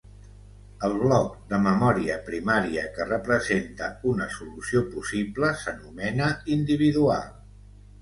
El bloc de memòria primària que representa una solució possible s'anomena individual.